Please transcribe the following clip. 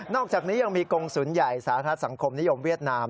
อกจากนี้ยังมีกรงศูนย์ใหญ่สาธาสังคมนิยมเวียดนาม